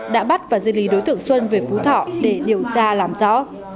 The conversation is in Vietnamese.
đã bắt và di lý đối tượng xuân về phú thọ để điều tra làm rõ